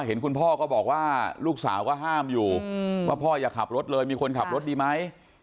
เห็นคุณพ่อก็บอกว่าลูกสาวก็ห้ามอยู่ว่าพ่ออย่าขับรถเลยมีคนขับรถดีไหม